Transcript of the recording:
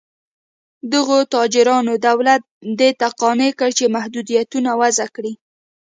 دغو تاجرانو دولت دې ته قانع کړ چې محدودیتونه وضع کړي.